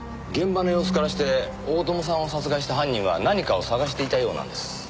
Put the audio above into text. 現場の様子からして大友さんを殺害した犯人は何かを探していたようなんです。